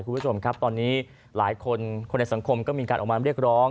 คุณผู้ชมครับตอนนี้หลายคนคนในสังคมก็มีการออกมาเรียกร้อง